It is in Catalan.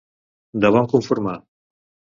De bon conformar.